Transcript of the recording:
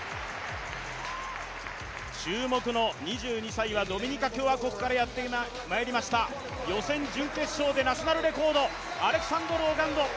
注目の２２歳はドミニカ共和国からやってまいりました、予選準決勝ナショナルレコード、アレキサンドル・ロナンド。